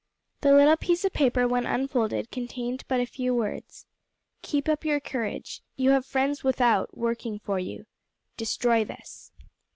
The little piece of paper when unfolded contained but a few words: "Keep up your courage. You have friends without working for you. Destroy this."